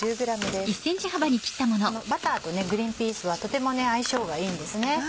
このバターとグリンピースはとても相性がいいんですね。